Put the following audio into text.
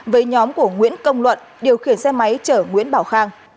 với nhóm của nguyễn công luận điều khiển xe máy chở nguyễn bảo khang